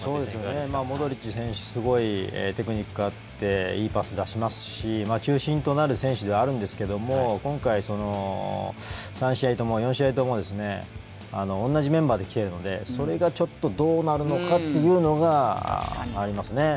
モドリッチ選手はテクニックがあっていいパスを出しますし中心となる選手ではあるんですけども、今回４試合とも同じメンバーできているのでそれが、ちょっとどうなるのかっていうのがありますね。